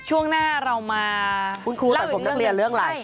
ช่วงหน้าเรามาเล่าอีกเรื่องใช่คุณครูตัดผมนักเรียนเรื่องอะไร